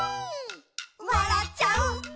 「わらっちゃう」